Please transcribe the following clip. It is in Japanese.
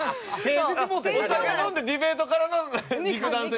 お酒飲んでディベートからの肉弾戦？